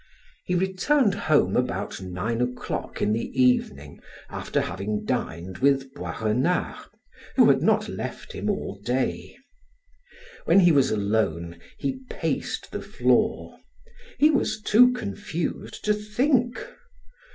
He returned home about nine o'clock in the evening after having dined with Boisrenard, who had not left him all day. When he was alone, he paced the floor; he was too confused to think.